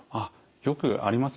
よくあります。